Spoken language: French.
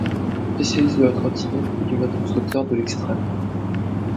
Spécialiste de la trottinette et du bâton-sauteur de l'extrême.